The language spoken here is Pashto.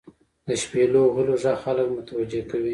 • د شپیلو وهلو ږغ خلک متوجه کوي.